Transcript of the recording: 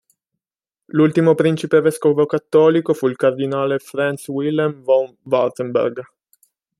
L'ultimo principe vescovo cattolico fu il cardinale Franz Wilhelm von Wartenberg.